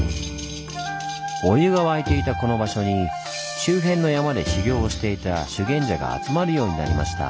お湯が湧いていたこの場所に周辺の山で修行をしていた修験者が集まるようになりました。